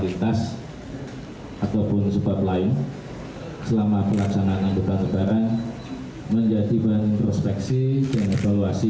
lintas ataupun sebab lain selama pelaksanaan angkutan lebaran menjadi bahan prospeksi dan evaluasi